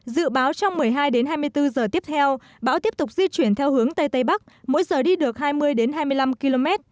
dự báo trong một mươi hai đến hai mươi bốn giờ tiếp theo bão tiếp tục di chuyển theo hướng tây tây bắc mỗi giờ đi được hai mươi hai mươi năm km